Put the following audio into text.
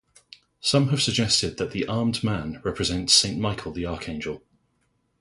Some have suggested that the 'armed man' represents Saint Michael the Archangel.